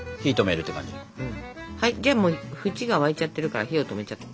はいじゃあもう縁が沸いちゃってるから火を止めちゃって。